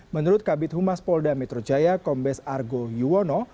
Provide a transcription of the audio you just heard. menurut kabit humas polda metro jaya kombes argo yuwono